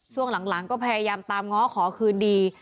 ช่วงหลังก็พยายามตามง้อขอคืนดี